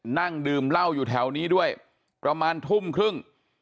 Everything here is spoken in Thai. นั่งดื่มเหล้าอยู่แถวนี้ด้วยประมาณทุ่มครึ่ง